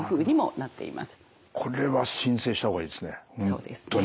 そうですね。